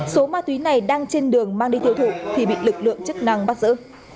số ma túy này đang trên đường mang đi tiêu thụ thì bị lực lượng chức năng bắt giữ